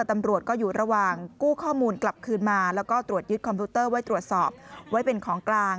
ตำรวจก็อยู่ระหว่างกู้ข้อมูลกลับคืนมาแล้วก็ตรวจยึดคอมพิวเตอร์ไว้ตรวจสอบไว้เป็นของกลาง